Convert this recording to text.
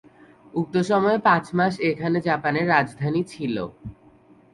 উক্ত সময়ে পাঁচ মাস এখানে জাপানের রাজধানী ছিল।